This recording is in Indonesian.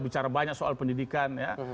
bicara banyak soal pendidikan